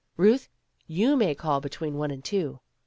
Euth, you may call between one and two."